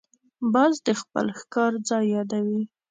باز د خپل ښکار ځای یادوي